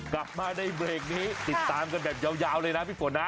กลับมาในเบรกนี้ติดตามกันแบบยาวเลยนะพี่ฝนนะ